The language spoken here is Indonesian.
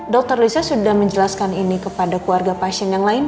dokter lisya sudah menjelaskan ini kepada keluarga pasien yang lain